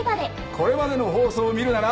これまでの放送を見るなら。